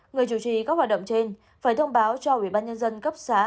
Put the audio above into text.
người chủ trì các hoạt động trên phải thông báo cho ủy ban nhân dân cấp xã